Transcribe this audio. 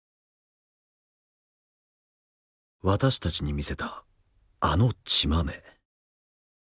私たちに見せたあの血まめ。